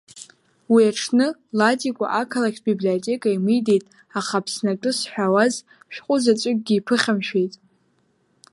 Уи аҽны Ладикәа ақалақьтә библиотека еимидеит, аха Аԥсны атәы зҳәауаз шәҟәы заҵәыкгьы иԥыхьамшәеит.